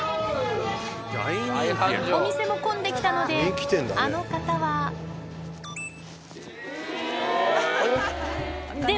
お店も混んできたのであの方はおいで。